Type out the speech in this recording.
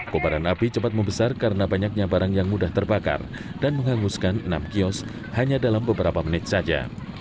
kobaran api cepat membesar karena banyaknya barang yang mudah terbakar dan menghanguskan enam kios hanya dalam beberapa menit saja